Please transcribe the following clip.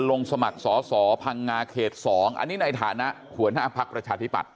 ลงสมัครสอสอพังงาเขต๒อันนี้ในฐานะหัวหน้าภักดิ์ประชาธิปัตย